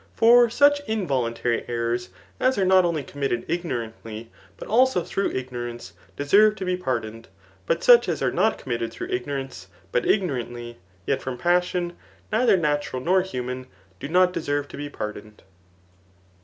For such involuntary errors as are not only committed ignorandy, but also through ignorance, deserve to be pardoned j but such as are not committed through ignorance, but ignorantly, yet from passion neither natural nor human, do not deserve to be pardoned.